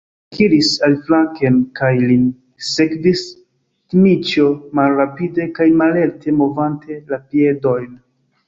Ringo ekiris aliflanken, kaj lin sekvis Dmiĉjo, malrapide kaj mallerte movante la piedojn.